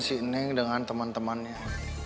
si neng dengan temen temennya